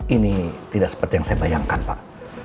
ini tidak seperti yang saya bayangkan pak